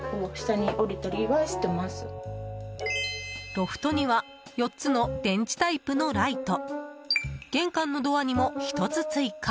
ロフトには４つの電池タイプのライト玄関のドアにも１つ追加。